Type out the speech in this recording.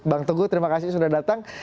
bang teguh terima kasih sudah datang